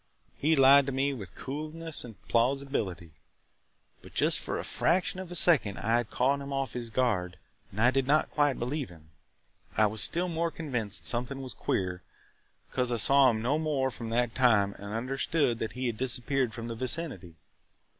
He lied to me with coolness and plausibility, but for just a fraction of a second I had caught him off his guard and I did not quite believe him. I was still more convinced that something was queer because I saw him no more from that time and understood that he had disappeared from the vicinity.